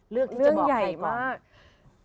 เลือกที่จะบอกใครก่อน